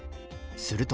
すると。